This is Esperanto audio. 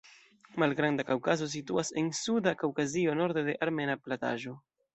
Malgranda Kaŭkazo situas en Suda Kaŭkazio, norde de Armena plataĵo.